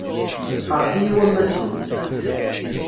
Iqṛeḥ-iyi wammas-iw.